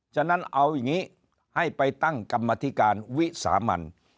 ฉะนั้นเอาอย่างนี้ให้ไปตั้งกรรมธิการวิสามัน